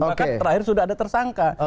maka terakhir sudah ada tersangka